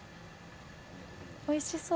おいしそう。